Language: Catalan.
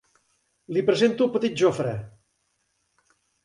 Li presento el petit Jofre.